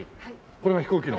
これが飛行機の。